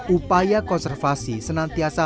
upaya konservasi senantiasa berhasil